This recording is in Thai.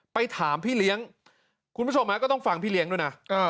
ไปถามพี่เลี้ยงคุณผู้ชมก็ต้องฟังพี่เลี้ยงด้วยนะ